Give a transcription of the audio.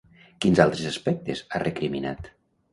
Quins altres aspectes ha recriminat?